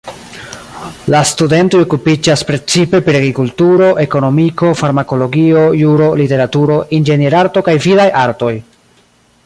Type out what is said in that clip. La studentoj okupiĝas precipe pri agrikulturo, ekonomiko, farmakologio, juro, literaturo, inĝenierarto kaj vidaj artoj.